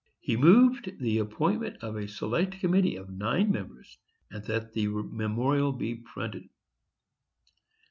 He moved the appointment of a select committee of nine members, and that the memorial be printed.